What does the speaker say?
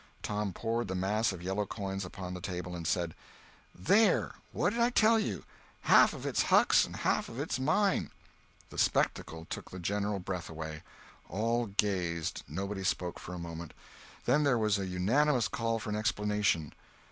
Tom poured the mass of yellow coin upon the table and said: "There—what did I tell you? Half of it's Huck's and half of it's mine!" The spectacle took the general breath away. All gazed, nobody spoke for a moment. Then there was a unanimous call for an explanation.